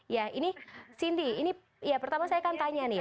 ya ini cindy pertama saya akan tanya nih ya